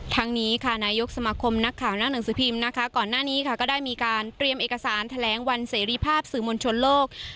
ทั้งนี้ค่ะนายกสมาคมนักข่าวหน้าหนังสือพิมพ์นะคะก่อนหน้านี้ค่ะก็ได้มีการเตรียมเอกสารแถลงวันเสรีภาพสื่อมวลชนโลก